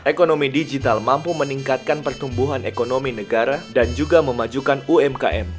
ekonomi digital mampu meningkatkan pertumbuhan ekonomi negara dan juga memajukan umkm